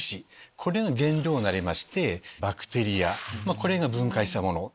これが原料になりましてバクテリアが分解したもの。